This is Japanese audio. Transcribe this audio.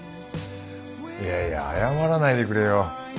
いやいや謝らないでくれよ。